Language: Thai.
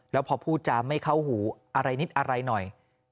แล้วพอพูดจาไม่เข้าหูอะไรนิดอะไรหน่อย